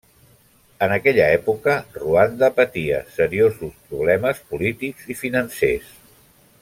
En aquella època, Ruanda patia seriosos problemes, polítics i financers.